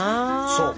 そう！